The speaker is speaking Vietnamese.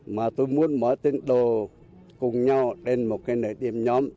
mà tôi muốn mở tiến đồ cùng nhau đến một nơi điểm nhóm